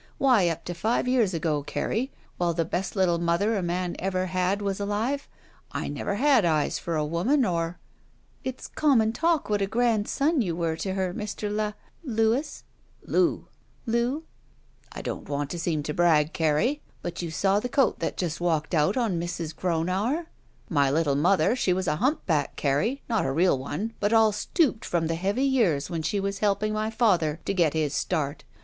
Why, up to five years ago, Carrie, while the best little mother a man ever had was alive, I never had eyes for a woman or —" "It's common talk what a grand son you were to her, Mr. La — Louis —" "Loo." "Loo." "I don't want to seem to brag, Carrie, but you saw the coat that just walked out on Mrs. Gronauer? My little mother she was a humpback, Carrie, not a real one, but all stooped from the heavy years when she was helping my father to get his start.